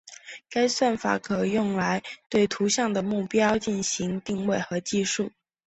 该算法可用来对图像的目标进行定位和计数。